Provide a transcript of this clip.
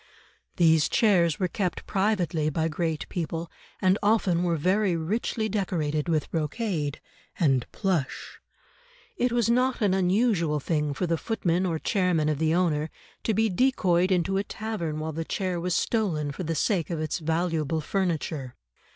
These chairs were kept privately by great people, and often were very richly decorated with brocade and plush; it was not an unusual thing for the footmen or chairmen of the owner to be decoyed into a tavern while the chair was stolen for the sake of its valuable furniture.